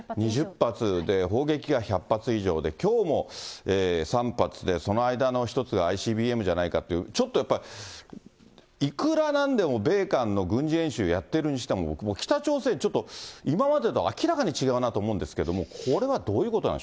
砲撃が１００発以上で、きょうも３発で、その間の１つはＩＣＢＭじゃないかっていう、ちょっとやっぱり、いくらなんでも米韓の軍事演習やってるにしても、北朝鮮、ちょっと今までと明らかに違うなと思うんですけども、違いますね。